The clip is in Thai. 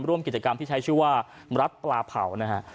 ร่วมกิจกรรมที่ใช้ชื่อว่ารัฐปลาเผานะฮะ